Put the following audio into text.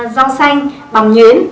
rau xanh bồng nhuyến